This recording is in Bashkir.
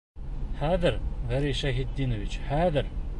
Хәҙер, Гәрәй Шәйхетдинович, хәҙер!..